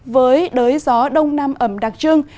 với đới gió đông nam ẩm đặc trưng